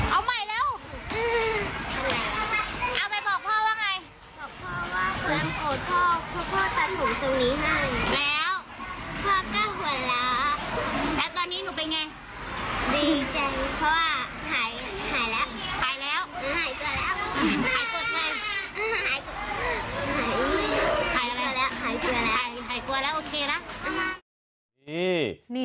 เอาใหม่แล้ว